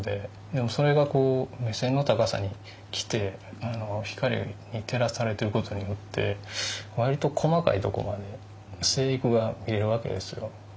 でもそれが目線の高さに来て光に照らされてる事によって割と細かいとこまで生育が見れる訳ですよ。